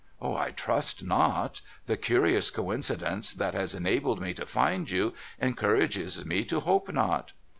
* I trust not. The curious coincidence that has enabled me to find you, encourages me to hope not.'